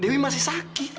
dewi masih sakit